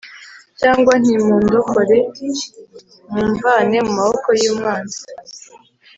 cyangwa nti ‘mundokore mumvane mu maboko y’umwanzi’’